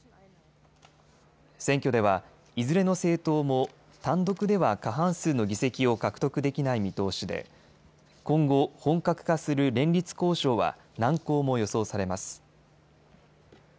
選挙では、いずれの政党も単独では過半数の議席を獲得できない見通しで今後、本格化する連立交渉は難航も予想されます。